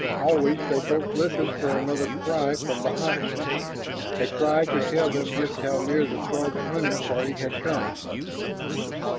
Always they both listened for another cry from behind, a cry to tell them just how near the Throg hunting party had come.